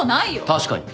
確かに。